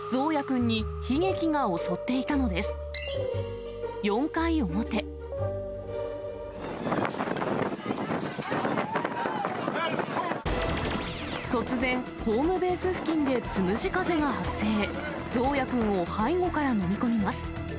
ゾーヤ君を背後から飲み込みます。